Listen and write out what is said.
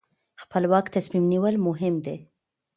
خپلواک تصمیم نیول مهم دي.